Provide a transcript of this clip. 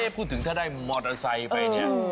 พูดถึงถ้าได้มอเตอร์ไซค์ไปเนี่ย